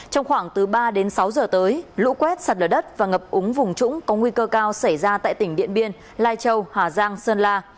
trong khoảng từ ba đến sáu giờ tới lũ quét sạt lở đất và ngập úng vùng trũng có nguy cơ cao xảy ra tại tỉnh điện biên lai châu hà giang sơn la